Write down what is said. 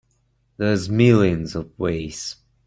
There's millions of ways.